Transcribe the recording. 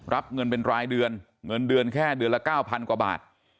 รับเงินเป็นรายเดือนเงินเดือนแค่เดือนละ๙๐๐กว่าบาท